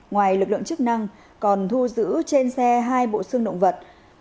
ngoài lực lượng chức năng còn thu giữ trên xe hai bộ xương động vật